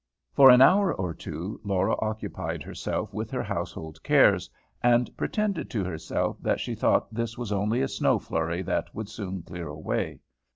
For an hour or two Laura occupied herself with her household cares, and pretended to herself that she thought this was only a snow flurry that would soon clear away.